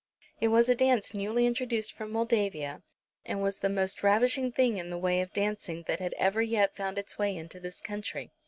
It was a dance newly introduced from Moldavia, and was the most ravishing thing in the way of dancing that had ever yet found its way into this country.